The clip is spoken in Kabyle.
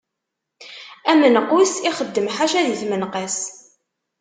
Amenqus ixeddem ḥaca di tmenqas.